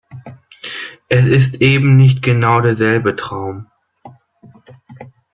Es ist eben nicht genau derselbe Traum.